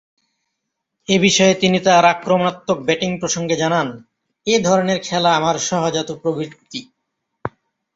এ বিষয়ে তিনি তার আক্রমণাত্মক ব্যাটিং প্রসঙ্গে জানান, ‘এ ধরণের খেলা আমার সহজাত প্রবৃত্তি।